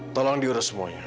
tolong diurus semuanya